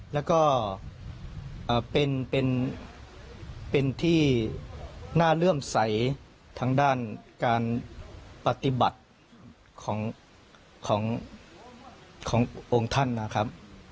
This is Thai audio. แล้วก็เป็นที่น่าเลื่อมใสทางด้านการปฏิบัติขององค์ท่านนะครับ